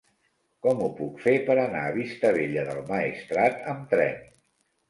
Com ho puc fer per anar a Vistabella del Maestrat amb tren?